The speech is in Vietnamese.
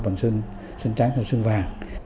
bằng sơn trắng sơn vàng